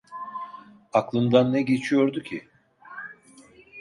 Aklından ne geçiyordu ki?